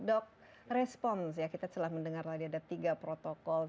dok respons ya kita telah mendengar tadi ada tiga protokol